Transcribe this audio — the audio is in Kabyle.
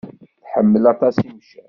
Tḥemmel aṭas imcac.